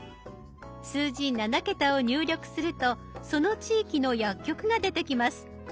数字７桁を入力するとその地域の薬局が出てきます。